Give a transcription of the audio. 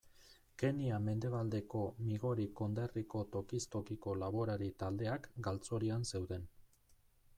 Kenya mendebaldeko Migori konderriko tokiz tokiko laborari taldeak galtzorian zeuden.